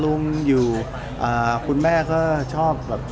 ลุงอยู่คุณแม่ก็ชอบแบบ